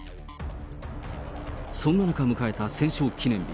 そんな中迎えた戦勝記念日。